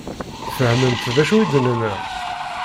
Tfehmemt d acu i d-nenna?